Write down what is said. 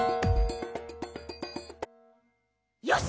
よし！